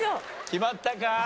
決まったか？